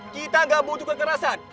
kita gak butuh kekerasan